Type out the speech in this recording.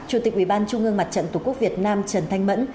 chủ tịch ubnd tqvn trần thanh mẫn